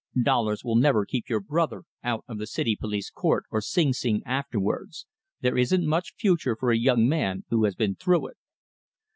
Dollars will never keep your brother out of the city police court or Sing Sing afterwards. There isn't much future for a young man who has been through it."